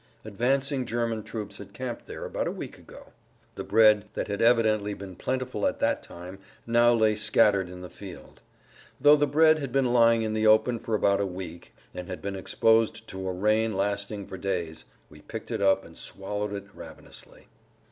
Advancing German troops had camped there about a week ago. The bread that had evidently been plentiful at that time now lay [Pg 119]scattered in the field. Though the bread had been lying in the open for about a week and had been exposed to a rain lasting for days, we picked it up and swallowed it ravenously.